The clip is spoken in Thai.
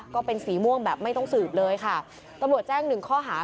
ก็เป็นสีม่วงแบบไม่ต้องสืบเลยค่ะ